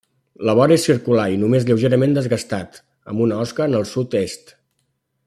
La vora és circular i només lleugerament desgastat, amb una osca en el sud-est.